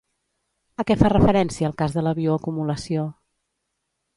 A què fa referència el cas de la bioacumulació?